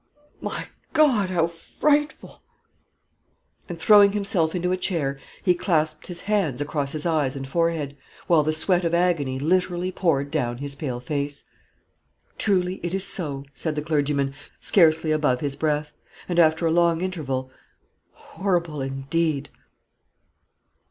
My God! How frightful!" And throwing himself into a chair, he clasped his hands across his eyes and forehead, while the sweat of agony literally poured down his pale face. "Truly it is so," said the clergyman, scarcely above his breath; and, after a long interval "horrible indeed!"